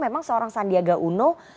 memang seorang sandiaga uno